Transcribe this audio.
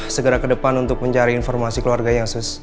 segera ke depan untuk mencari informasi keluarganya sus